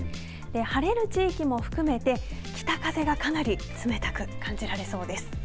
晴れる地域も含めて北風がかなり冷たく感じられそうです。